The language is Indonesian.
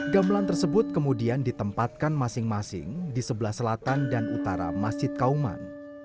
gamelan tersebut kemudian ditempatkan masing masing di sebelah selatan dan utara masjid kauman